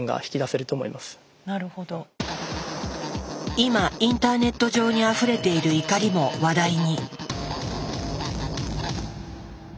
今インターネット上にあふれている「怒り」も話題に。